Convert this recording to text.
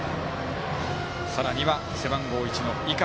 さらには、背番号１の井川。